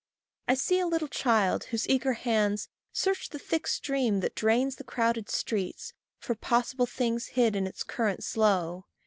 I see a little child whose eager hands Search the thick stream that drains the crowded street For possible things hid in its current slow.